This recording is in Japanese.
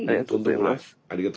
ありがとうございます。